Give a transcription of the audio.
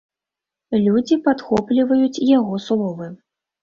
Людзі падхопліваюць яго словы.